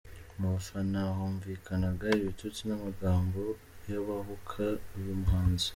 Mu bafana humvikanaga ibitutsi n’amagambo yubahuka uyu muhanzi.